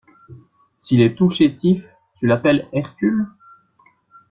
S’il est tout chétif, tu l’appelles Hercule?